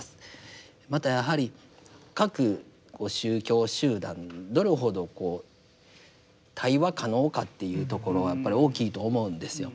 またやはり各宗教集団どれほどこう対話可能かっていうところはやっぱり大きいと思うんですよ。